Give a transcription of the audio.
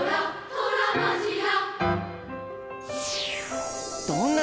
トラマジラ！」